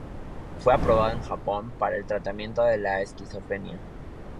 Fue aprobado en Japón para el tratamiento de la esquizofrenia.